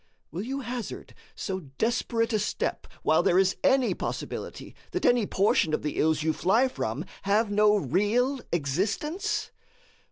Will you hazard so desperate a step while there is any possibility that any portion of the ills you fly from have no real existence?